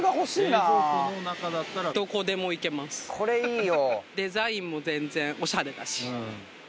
「これいいよ！」